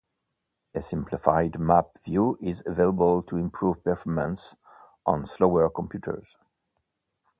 A simplified map view is available to improve performance on slower computers.